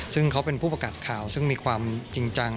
ซึ่งเขาเป็นผู้ประกาศข่าวซึ่งมีความจริงจัง